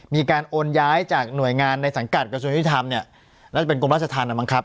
มีการโอนย้ายจากหน่วยงานในสังกัดกระทรวงยุติธรรมเนี่ยน่าจะเป็นกรมราชธรรมอ่ะมั้งครับ